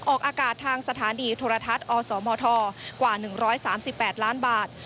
ออกอากาศทางสถานีโทรทัศน์อสมทกว่า๑๓๘ล้านบาท